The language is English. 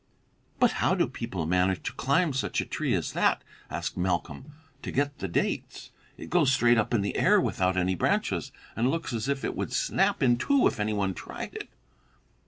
"But how do people manage to climb such a tree as that," asked Malcolm, "to get the dates? It goes straight up in the air without any branches, and looks as if it would snap in two if any one tried it."